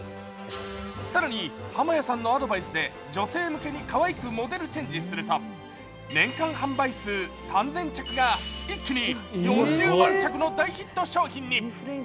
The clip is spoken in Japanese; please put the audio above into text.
更に濱屋さんのアドバイスで女性向けにかわいくモデルチェンジすると年間販売数３０００着が一気に４０万着の大ヒット商品に。